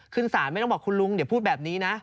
ขึ้นศาลไม่ต้องบอกคุณลุงอย่าพูดแบบนี้นะ